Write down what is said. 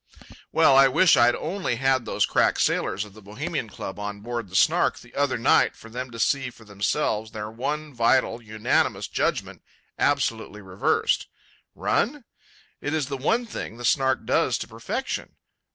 Well, I wish I'd only had those crack sailors of the Bohemian Club on board the Snark the other night for them to see for themselves their one, vital, unanimous judgment absolutely reversed. Run? It is the one thing the Snark does to perfection.